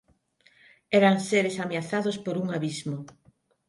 Eran seres ameazados por un abismo.